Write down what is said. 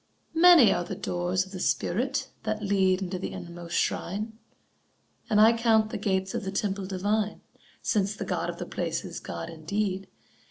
Many are the doors of the spirit that lead Into the inmost shrine: And I count the gates of the temple divine, Since the god of the place is God indeed.